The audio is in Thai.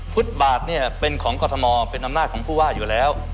ฟุตบาทเนี่ยเป็นของกรทมเป็นอำนาจของผู้ว่าอยู่แล้ว